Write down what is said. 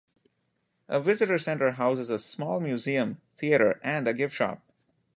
A visitor center houses a small museum, theater, and a gift shop.